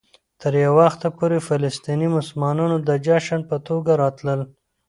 تر یو وخته پورې فلسطيني مسلمانانو د جشن په توګه راتلل.